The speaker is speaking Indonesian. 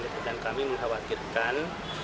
dan kami mengkhawatirkan